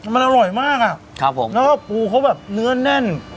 มันอร่อยมากอ่ะครับผมแล้วก็ปูเขาแบบเนื้อแน่น